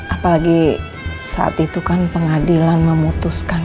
apalagi saat itu kan pengadilan memutuskan